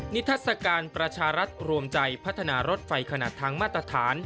ทัศกาลประชารัฐรวมใจพัฒนารถไฟขนาดทางมาตรฐาน